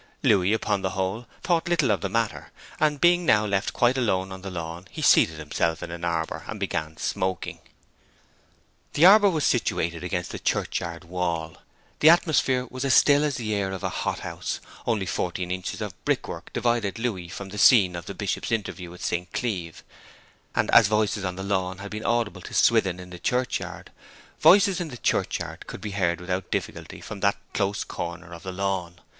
Louis, upon the whole, thought little of the matter, and being now left quite alone on the lawn, he seated himself in an arbour and began smoking. The arbour was situated against the churchyard wall. The atmosphere was as still as the air of a hot house; only fourteen inches of brickwork divided Louis from the scene of the Bishop's interview with St. Cleeve, and as voices on the lawn had been audible to Swithin in the churchyard, voices in the churchyard could be heard without difficulty from that close corner of the lawn.